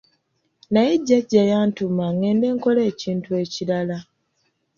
Naye jjajja yantuma ngende nkole ekintu ekirala.